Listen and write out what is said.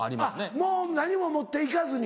もう何も持って行かずに？